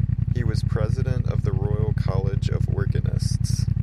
He was president of the Royal College of Organists.